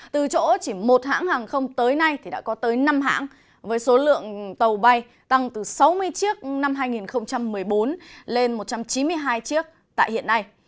từ chỗ chỉ một hãng hàng không tới nay đã có tới năm hãng với số lượng tàu bay tăng từ sáu mươi chiếc năm hai nghìn một mươi bốn lên một trăm chín mươi hai chiếc tại hiện nay